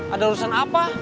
ada urusan apa